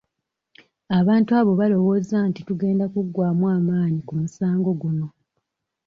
Abantu abo balowooza nti tugenda kuggwamu amaanyi ku musango guno.